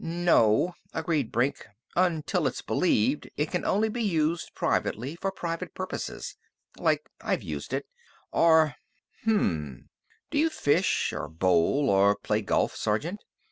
"No," agreed Brink. "Until it's believed in it can only be used privately, for private purposes. Like I've used it. Or Hm m m. Do you fish, or bowl, or play golf, sergeant?